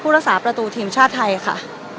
รักษาประตูทีมชาติไทยค่ะ